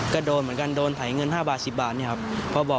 ก็โดนเหมือนกันโดนไถเงิน๕บาท๑๐บาทเนี่ยครับ